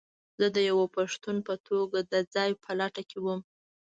زه د یوه پښتون په توګه د ځاى په لټه کې وم.